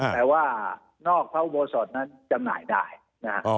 แต่ว่านอกพระอุโบสถนั้นจำหน่ายได้นะฮะ